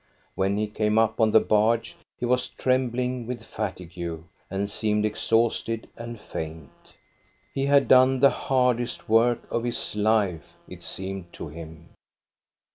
When he came up on the barge he was trem bling with fatigue and seemed exhausted and faint. He had done the hardest work of his life, it seemed to him.